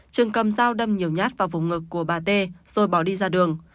trường cầm dao đâm nhiều nhát vào vùng ngực của bà t rồi bỏ đi ra đường